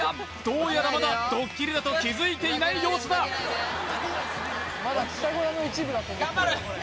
どうやらまだドッキリだと気づいていない様子だ！頑張る！